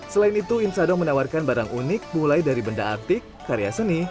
selain itu insado menawarkan barang unik mulai dari benda artik karya seni